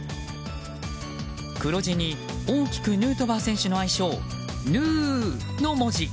黒地に大きくヌートバー選手の愛称ヌーの文字。